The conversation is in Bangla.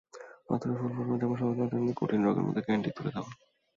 পাথরে ফুল ফোটানো যেমন সহজ নয়, তেমনই কঠিন রকের মুখে ক্যান্ডি তুলে দেওয়া।